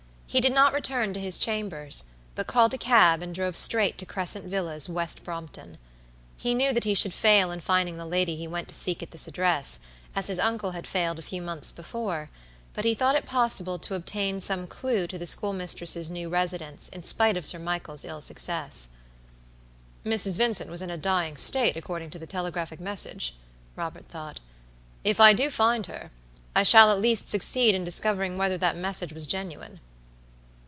He did not return to his chambers, but called a cab and drove straight to Crescent Villas, West Brompton. He knew that he should fail in finding the lady he went to seek at this address, as his uncle had failed a few months before, but he thought it possible to obtain some clew to the schoolmistress' new residence, in spite of Sir Michael's ill success. "Mrs. Vincent was in a dying state, according to the telegraphic message," Robert thought. "If I do find her, I shall at least succeed in discovering whether that message was genuine."